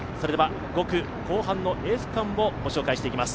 ５区後半のエース区間をご紹介していきます。